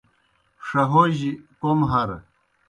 ݜہوجیْ کوْمی ہرہ۔